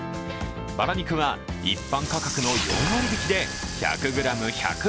バラ肉は一般価格の４割引で、１００ｇ１６８円。